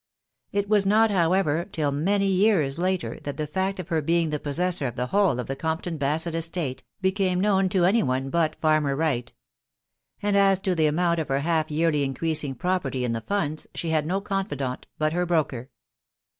It was not, however, till many years later, that the fact ot her being the possessor of the whole of the Compton Basett estate, became known to any one bat farmer Wright ; and as te> the ainonnt of her half yearly recreating property in the Skade, she bad no confidant but her broker.